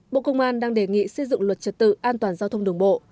bộ công an đang đề nghị xây dựng luật trật tự an toàn giao thông đường bộ